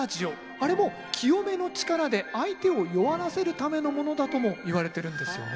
あれも清めの力で相手を弱らせるためのものだともいわれてるんですよね。